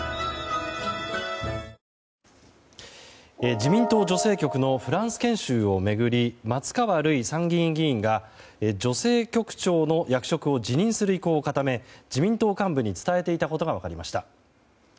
自民党女性局のフランス研修を巡り松川るい参議院議員が女性局長の役職を辞任する意向を固め自民党幹部に伝えていたことが分かりました。